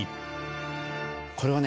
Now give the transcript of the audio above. これはね